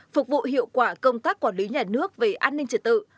phục vụ hiệu quả công tác quản lý nhà nước về an ninh trật tự